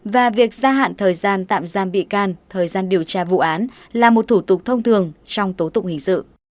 và việc gia hạn thời gian tạm giam bị can thời gian điều tra vụ án là một thủ tục thông thường trong tố tụng hình sự